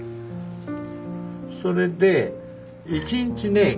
それで１日ね